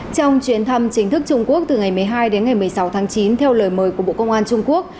trong chuyến thăm chính thức trung quốc từ ngày một mươi hai đến ngày một mươi sáu tháng chín theo lời mời của bộ công an trung quốc